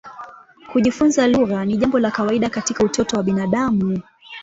Kujifunza lugha ni jambo la kawaida katika utoto wa binadamu.